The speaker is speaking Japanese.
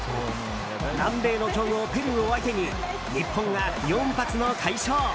南米の強豪ペルーを相手に日本が４発の快勝。